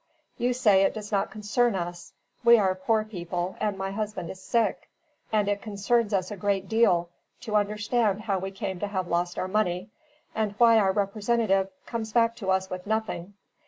You say it does not concern us; we are poor people, and my husband is sick, and it concerns us a great deal to understand how we come to have lost our money, and why our representative comes back to us with nothing.